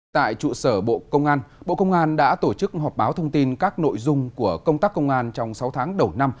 tại trụ sở bộ công an bộ công an đã tổ chức họp báo thông tin các nội dung của công tác công an trong sáu tháng đầu năm